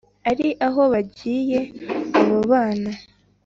ari - aho bagiye abo bana